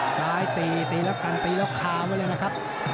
ตีตีแล้วกันตีแล้วคาไว้เลยนะครับ